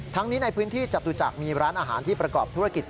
นี้ในพื้นที่จตุจักรมีร้านอาหารที่ประกอบธุรกิจ